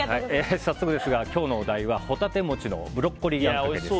早速ですが今日のお題はホタテもちのブロッコリーあんかけです。